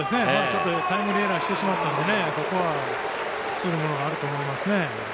タイムリーエラーをしてしまったのでここは期するものがあると思います。